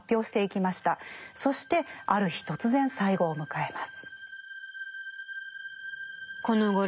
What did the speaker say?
そしてある日突然最期を迎えます。